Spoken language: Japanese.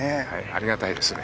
ありがたいですね。